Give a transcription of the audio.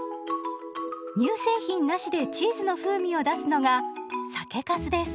乳製品なしでチーズの風味を出すのが酒かすです。